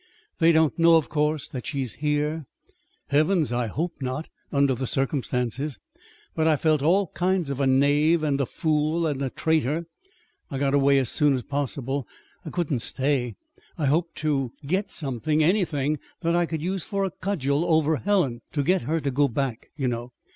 "They don't know, of course, that she's here?" "Heavens, I hope not! under the circumstances. But I felt all kinds of a knave and a fool and a traitor. I got away as soon as possible. I couldn't stay. I hoped to get something anything that I could use for a cudgel over Helen, to get her to go back, you know.